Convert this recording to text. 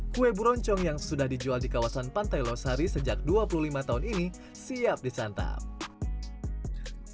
kue buroncong yang sudah dijual di kawasan pantai losari sejak dua puluh lima tahun ini siap disantap